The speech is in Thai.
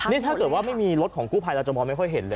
นี่ถ้าเกิดว่าไม่มีรถของกู้ภัยเราจะมองไม่ค่อยเห็นเลย